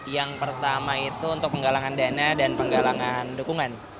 yang pertama itu untuk penggalangan dana dan penggalangan dukungan